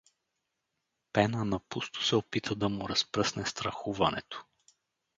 Пена напусто се опита да му разпръсне страхуването.